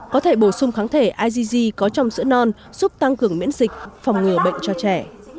có thể bổ sung kháng thể icg có trong sữa non giúp tăng cường miễn dịch phòng ngừa bệnh cho trẻ